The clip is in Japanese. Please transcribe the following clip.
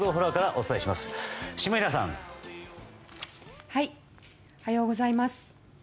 おはようございます。